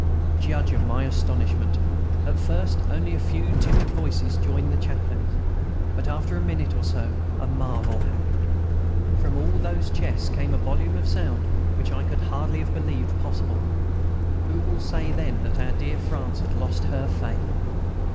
Judge of my astonishment! At first only a few timid voices joined the Chaplain's. But after a minute or so a marvel happened. From all those chests came a volume of sound such as I could hardly have believed possible. Who will say then that our dear France has lost her Faith?